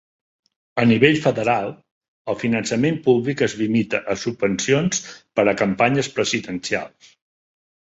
A nivell federal, el finançament públic es limita a subvencions per a campanyes presidencials.